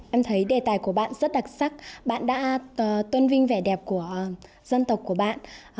em thấy đề tài của bạn rất đặc sắc bạn đã tôn vinh vẻ đẹp của dân tộc của bạn